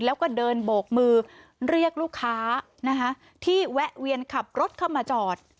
แล้วก็เดินโบกมือเรียกลูกค้านะคะที่แวะเวียนขับรถเข้ามาจอด